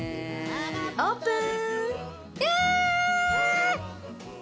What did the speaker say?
オープン！